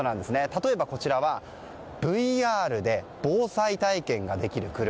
例えば、こちらはＶＲで防災体験ができる車。